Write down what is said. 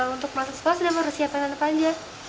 untuk masuk sekolah sudah mau resiapkan apa saja